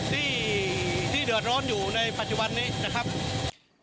ที่เดือดร้อนอยู่ในปัจจุบันนี้นะครับ